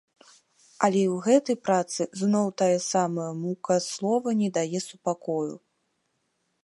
Але і ў гэтай працы, зноў тая самая мука слова не дае супакою.